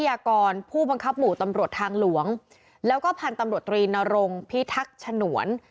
ยากรผู้บังคับหมู่ตำรวจทางหลวงแล้วก็พันธุ์ตำรวจตรีนรงพิทักษ์ฉนวน